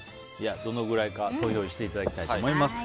どのくらいか投票していただきたいと思います。